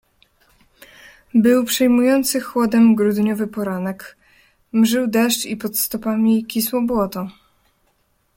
"Był przejmujący chłodem grudniowy poranek, mżył deszcz i pod stopami kisło błoto."